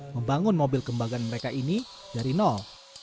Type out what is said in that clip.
membangun mobil kembangan mereka ini dari nol